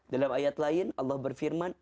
dalam ayat lain allah berfirman